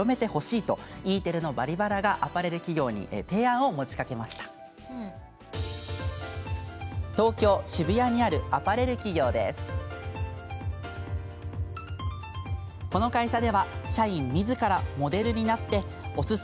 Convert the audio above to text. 東京・渋谷にあるアパレル企業です。